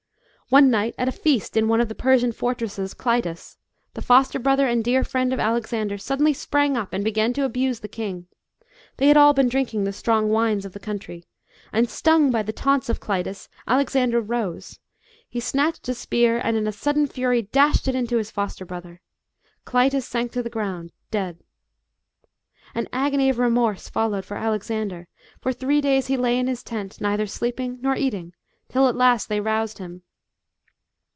One night at a feast in one of the Persian foi tresses, Clitus, the foster brother and dear friend of Alexander, suddenly sprang up and began to abuse the king. They had all been drinking the strong wines of the country, and stung by the taunts of Clitus, Alexander rose. He snatched a spear, and in a sudden fury dashed it into his foster brother. Clitus sank to the ground dead. An agony of remorse followed for Alexander ; for three days he lay in his tent, neither sleeping nor eating, till at last they roused him.